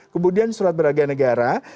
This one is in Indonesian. kemudian surat beragaya negara